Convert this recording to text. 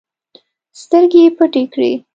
سترګې يې پټې کړې.